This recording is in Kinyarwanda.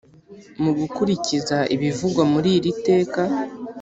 Mu gukurikiza ibivugwa muri iri teka